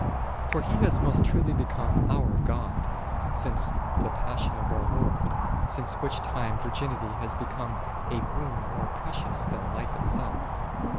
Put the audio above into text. For He has most truly become our God since the Passion of our Lord, since which time virginity has be come a boon more precious than life itself.